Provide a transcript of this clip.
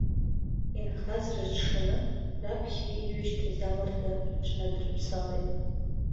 Инхаз рыҽшаны, раԥхьа иҩашьҭыз амарда рыҽнадрыԥсалеит.